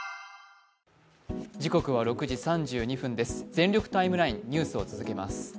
「全力ＴＩＭＥライン」ニュースを続けます。